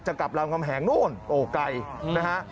กลับรามคำแหงโน่นโอไก่นะฮะ